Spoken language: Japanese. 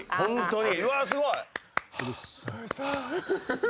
うわっすごい。